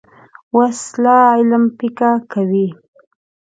وسله علم پیکه کوي